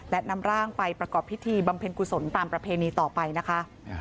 และนำร่างไปประกอบพิธีบำเพ็ญกุศลตามประเพณีต่อไปนะคะ